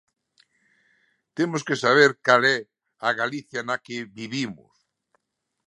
Temos que saber cal é a Galicia na que vivimos.